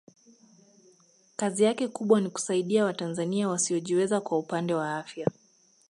kazi yake kubwa ni kusaidia watanzania wasiojiweza kwa upande wa afya